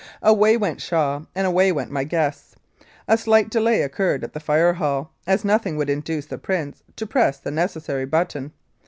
Away went Shaw and away went my guests. A slight delay occurred at the Fire Hall, as nothing would induce the Prince to press the necessary button.